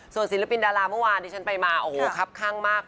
ส่วนศิลปินดาราเมื่อวานที่ฉันไปมาโอ้โหครับข้างมาก